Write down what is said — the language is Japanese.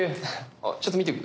あっちょっと見ていく？